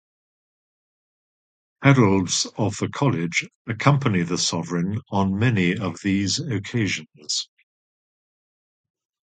Heralds of the College accompany the sovereign on many of these occasions.